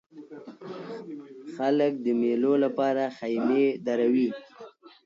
خلک د مېلو له پاره خیمې دروي.